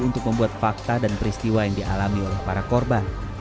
untuk membuat fakta dan peristiwa yang dialami oleh para korban